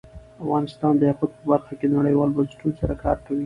افغانستان د یاقوت په برخه کې نړیوالو بنسټونو سره کار کوي.